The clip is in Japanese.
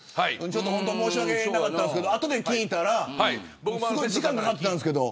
本当に申し訳なかったですがあとで聞いたら時間なかったんですけど。